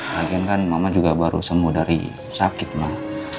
mungkin kan mama juga baru sembuh dari sakit mah